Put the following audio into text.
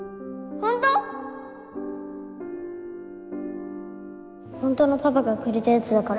本当のパパがくれたやつだから。